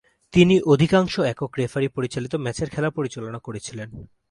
তিনি অধিকাংশ একক রেফারি পরিচালিত ম্যাচের খেলা পরিচালনা করেছিলেন।